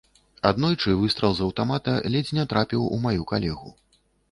Аднойчы выстрал з аўтамата ледзь не трапіў у маю калегу.